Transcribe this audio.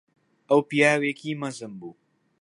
ئەو پیاوێکی مەزن بوو.